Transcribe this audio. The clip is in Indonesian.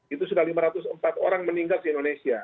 itu sudah lima ratus empat orang meninggal di indonesia